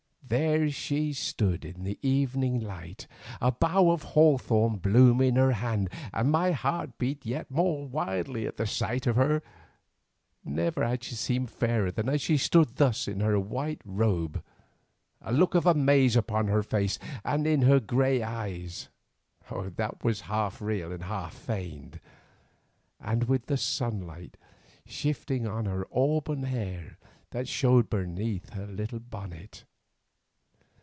There she stood in the evening light, a bough of hawthorn bloom in her hand, and my heart beat yet more wildly at the sight of her. Never had she seemed fairer than as she stood thus in her white robe, a look of amaze upon her face and in her grey eyes, that was half real half feigned, and with the sunlight shifting on her auburn hair that showed beneath her little bonnet.